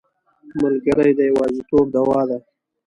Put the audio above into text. ملګری د یوازیتوب دوا ده.